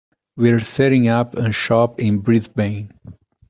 We're setting up a shop in Brisbane.